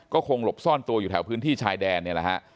ก็คงหลบซ่อนตัวอยู่แถวพื้นที่ชายแดนเนี่ยแหละฮะ